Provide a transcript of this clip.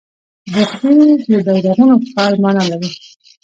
بخدي د بیرغونو ښار مانا لري